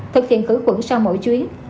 thực hiện khử quẩn sau mỗi chuyến